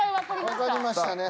わかりましたね。